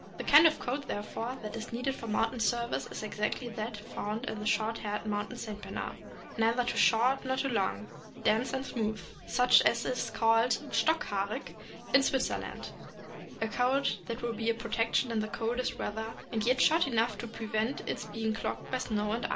The kind of a coat, therefore, that is needed for mountain service is exactly that found in the short haired mountain St. Bernard — neither too short nor too long, dense and smooth, such as is called '' stock haarig " in Switzer land; a coat that will be a protection in the coldest weather, and yet short enough to prevent its being clogged by snow and ice.